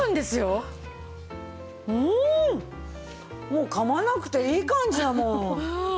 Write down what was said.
もうかまなくていい感じだもん。